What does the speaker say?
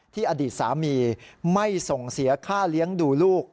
อดีตสามีไม่ส่งเสียค่าเลี้ยงดูลูก